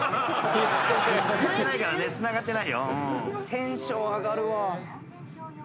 テンション上がるわ。